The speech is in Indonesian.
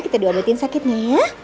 kita diobatin sakitnya ya